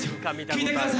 聴いてください